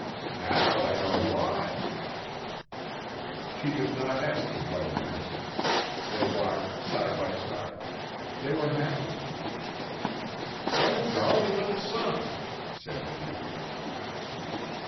"Now I know why." She did not ask him what he meant. They walked side by side. They were happy. "What a jolly little sun!" said she.